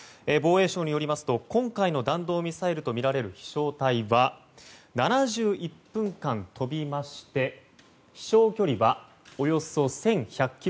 防衛省によりますと今回の弾道ミサイルとみられる飛翔体は７１分間飛びまして飛翔距離はおよそ１１００ｋｍ。